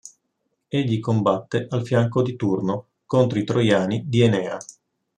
Egli combatte al fianco di Turno contro i troiani di Enea.